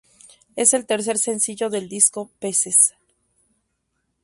Es el tercer sencillo del disco "Peces".